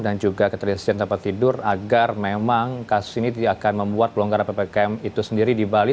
dan juga ketelitian tempat tidur agar memang kasus ini tidak akan membuat pelonggaran ppkm itu sendiri di bali